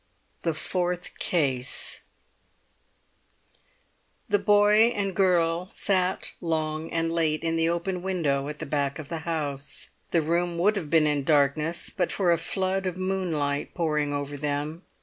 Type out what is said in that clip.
THE FOURTH CASE The boy and girl sat long and late in the open window at the back of the house. The room would have been in darkness but for a flood of moonlight pouring over them.